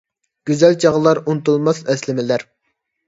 گۈزەل چاغلار، ئۇنتۇلماس ئەسلىمىلەر!